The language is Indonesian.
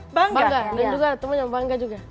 iya benar juga teman teman bangga juga